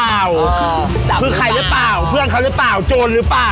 จับหรือเปล่าคือใครหรือเปล่าเพื่อนเขาหรือเปล่าโจรหรือเปล่า